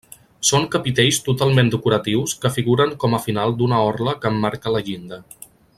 Són capitells totalment decoratius que figuren com a final d'una orla que emmarca la llinda.